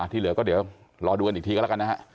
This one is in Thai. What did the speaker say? ที่เหลือก็เดี๋ยวรอดูกันอีกทีก็แล้วกันนะฮะ